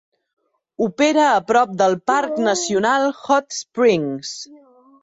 Opera a prop del parc nacional Hot Springs.